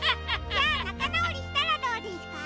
じゃあなかなおりしたらどうですか？